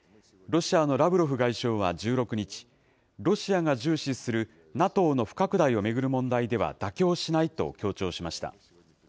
ロシアのラブロフ外相は１６日、ロシアが重視するＮＡＴＯの不拡大を巡る問題では妥協しないと強調しました。